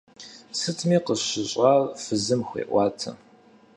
Сытми къыщыщӀар фызым хуеӀуатэ.